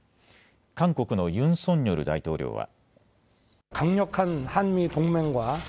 韓国のユン・ソンニョル大統領は。